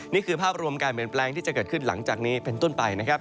นี่คือภาพรวมการเปลี่ยนแปลงที่จะเกิดขึ้นหลังจากนี้เป็นต้นไปนะครับ